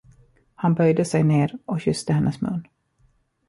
Han böjde sig ner och kysste hennes mun.